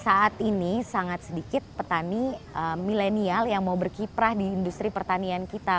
saat ini sangat sedikit petani milenial yang mau berkiprah di industri pertanian kita